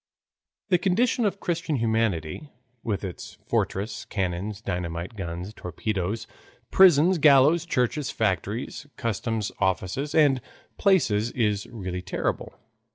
The condition of Christian humanity with its fortresses, cannons, dynamite, guns, torpedoes, prisons, gallows, churches, factories, customs offices, and palaces is really terrible.